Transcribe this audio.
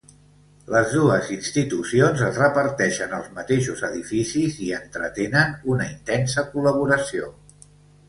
Les dues institucions es reparteixen els mateixos edificis i entretenen una intensa col·laboració.